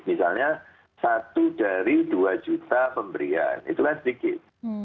misalnya satu dari dua juta pemberian itu kan sedikit